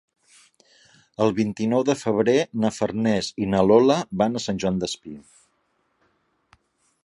El vint-i-nou de febrer na Farners i na Lola van a Sant Joan Despí.